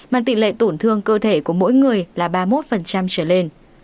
mang tỷ lệ tổn thương cơ thể của mỗi người là ba mươi một trở lên